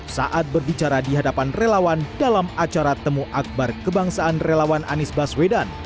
saat berbicara di hadapan relawan dalam acara temu akbar kebangsaan relawan anies baswedan